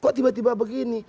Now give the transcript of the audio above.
kok tiba tiba begini